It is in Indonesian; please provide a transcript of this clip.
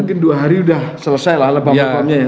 mungkin dua hari udah selesai lah lepam lepamnya ya